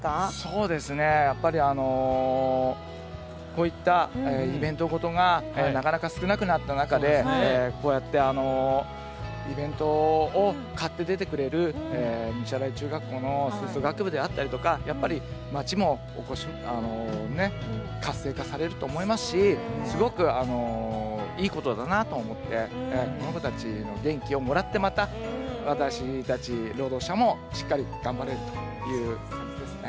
こういったイベントごとがなかなか少なくなった中でこうやってイベントを買って出てくれる西新井中学校の吹奏楽部であったりとかやっぱり、街も活性化されると思いますしすごく、いいことだと思ってこの子たちの元気をもらってまた私たち、労働者もしっかり頑張れるという感じです。